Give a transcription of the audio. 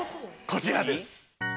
こちらです。